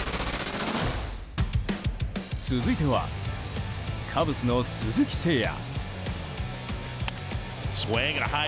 続いては、カブスの鈴木誠也。